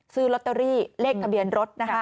ซื้อลอตเตอรี่เลขทะเบียนรถนะคะ